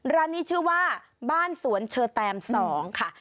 ร้านนี้ชื่อว่าบ้านสวนเชอแตม๒ค่ะ